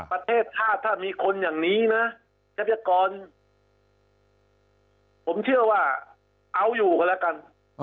ประเทศชาติถ้ามีคนอย่างนี้นะทรัพยากรผมเชื่อว่าเอาอยู่กันแล้วกัน